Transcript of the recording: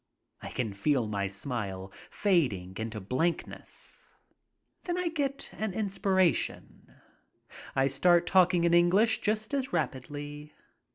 I can feel my smile fading into blankness. Then I get an inspiration. I start talking in English just as rapidly.